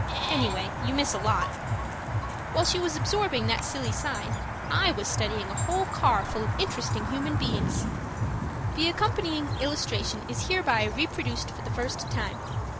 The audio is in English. Anyway, you miss a lot. While she was absorbing that silly sign, I was studying a whole car full of interesting human beings. The accompanying illustration is hereby reproduced for the first time.